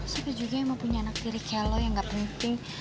sampai juga emang punya anak tiri kayak lu yang gak penting